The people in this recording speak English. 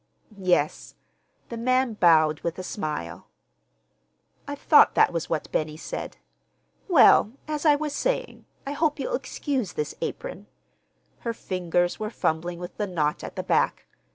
"Yes." The man bowed with a smile. "I thought that was what Benny said. Well, as I was saying, I hope you'll excuse this apron." Her fingers were fumbling with the knot at the back.